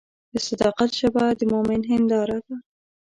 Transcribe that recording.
د صداقت ژبه د مؤمن هنداره ده.